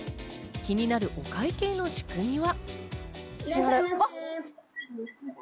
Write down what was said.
気になるお会計の仕組みは？